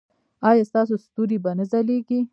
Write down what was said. ایا ستاسو ستوري به نه ځلیږي؟